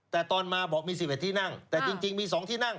แต่ตอนมาบอกมี๑๑ที่นั่งแต่จริงมี๒ที่นั่ง